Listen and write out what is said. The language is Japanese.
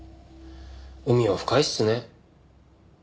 海は深いですね。